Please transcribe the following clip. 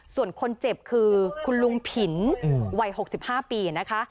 ส่วนคนเจ็บคือคุณลุงผินวัย๖๕ปีนะคะ